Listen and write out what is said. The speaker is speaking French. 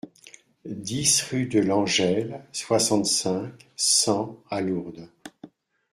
dix rue de Langelle, soixante-cinq, cent à Lourdes